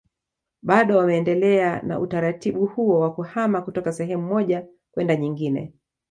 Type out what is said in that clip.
Bado wameendelea na utaratibu huo wa kuhama kutoka sehemu moja kwenda nyingine